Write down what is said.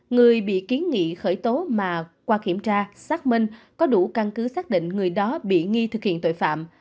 người bị kiến nghị khởi tố mà qua kiểm tra xác minh có đủ căn cứ xác định người đó bị nghi thực hiện tội phạm